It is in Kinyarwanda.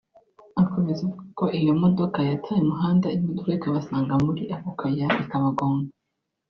Akomeza avuga ko iyo modoka yataye umuhanda imodoka ikabasanga muri ako kayira ikabagonga